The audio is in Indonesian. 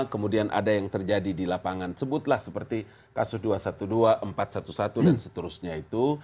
kemudian ada yang terjadi di lapangan sebutlah seperti kasus dua ratus dua belas empat ratus sebelas dan seterusnya itu